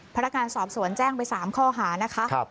พระราชการสอบสวนแจ้งไป๓ข้อหานะครับ